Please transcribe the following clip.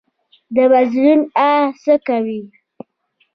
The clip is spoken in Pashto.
د مظلوم آه څه کوي؟